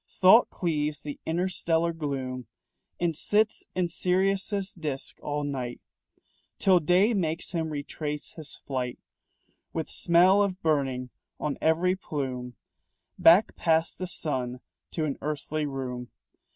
Thought cleaves the interstellar gloom And sits in Sirius' disc all night, Till day makes him retrace his flight, With smell of burning on every plume, Back past the sun to an earthly room.